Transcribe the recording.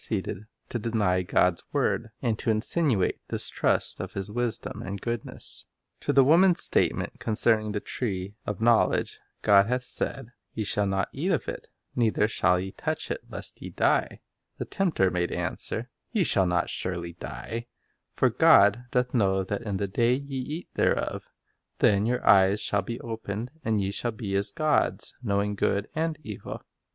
ceeded to deny God s word, and to insinuate distrust of His wisdom and goodness. To the woman's statement concerning the tree of knowledge, "God hath said, Ye shall not eat of it, neither shall ye touch it, lest ye die," the tempter made answer, " Ye shall not surely die; for God doth know that in the day ye eat thereof, then your eyes shall be opened, and ye shall be as gods, knowing good and evil."